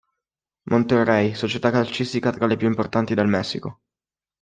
Monterrey, società calcistica tra le più importanti del Messico.